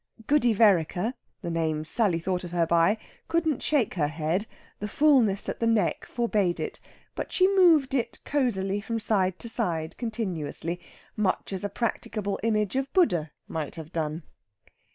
Goody Vereker (the name Sally thought of her by) couldn't shake her head, the fulness at the neck forbade it; but she moved it cosily from side to side continuously, much as a practicable image of Buddha might have done.